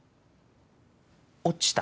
落ちた。